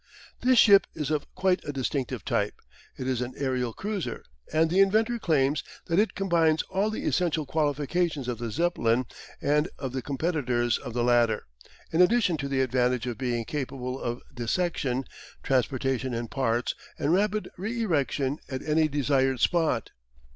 This ship is of quite a distinctive type. It is an aerial cruiser, and the inventor claims that it combines all the essential qualifications of the Zeppelin and of the competitors of the latter, in addition to the advantage of being capable of dissection, transportation in parts, and rapid re erection at any desired spot.